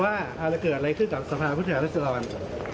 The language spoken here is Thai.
อะไรเกิดอะไรขึ้นกับสภาพพุทธศาสตร์ศิลป์